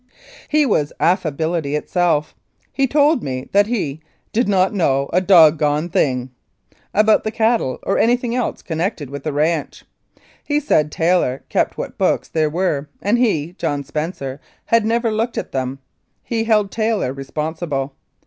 He was affability itself. He told me that he "did not know a dog goned thing" about the cattle or anything else connected with the ranch. He said Taylor kept what books there were, and he, John Spencer, had never looked at them. He held Taylor responsible.